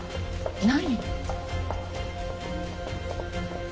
何？